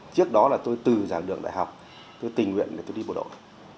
trước đó là tôi từ giảng đường đại học tôi tình nguyện để tôi đi bộ đội